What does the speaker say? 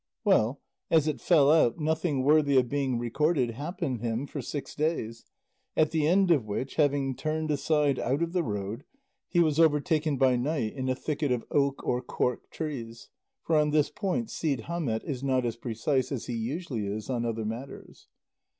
Well, as it fell out, nothing worthy of being recorded happened him for six days, at the end of which, having turned aside out of the road, he was overtaken by night in a thicket of oak or cork trees; for on this point Cide Hamete is not as precise as he usually is on other matters.